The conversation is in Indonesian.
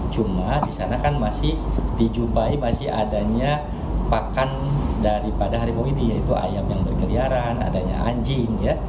cuma di sana kan masih dijumpai masih adanya pakan daripada harimau ini yaitu ayam yang berkeliaran adanya anjing ya